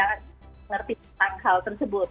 nerti tentang hal tersebut